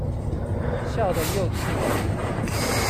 笑得又自然